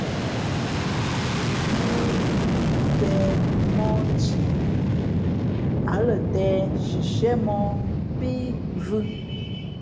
̀mōō pě mōh thi, ǎ lα tēh shishiēmōh pí vhʉ̄.